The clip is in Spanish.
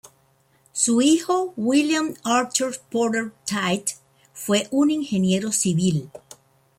Su hijo William Archer Porter Tait fue un ingeniero civil.